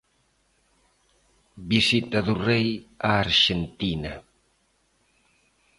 Visita do Rei á Arxentina.